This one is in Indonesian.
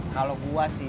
kalau gua sih